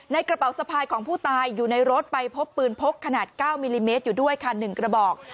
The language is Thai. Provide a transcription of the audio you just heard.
กระเป๋าสะพายของผู้ตายอยู่ในรถไปพบปืนพกขนาด๙มิลลิเมตรอยู่ด้วยค่ะ๑กระบอก